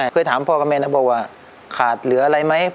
เคยถามพ่อกับแม่นะบอกว่าขาดเหลืออะไรไหม